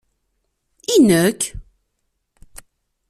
I nekk?